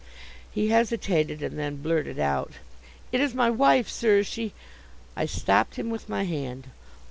He hesitated, and then blurted out: "It is my wife, sir. She " I stopped him with my hand.